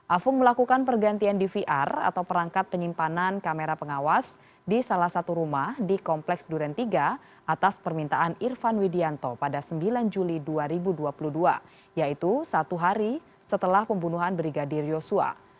afung melakukan pergantian dvr atau perangkat penyimpanan kamera pengawas di salah satu rumah di kompleks duren tiga atas permintaan irfan widianto pada sembilan juli dua ribu dua puluh dua yaitu satu hari setelah pembunuhan brigadir yosua